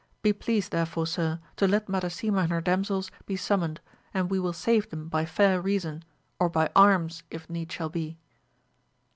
Be pleased therefore sir to let Madasima and her damsels be sum moned, and we will save them by fair reason, or by arms if need shall be.